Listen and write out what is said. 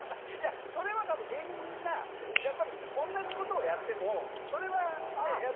いやそれは多分芸人みんなやっぱりおんなじ事をやってもそれはねえ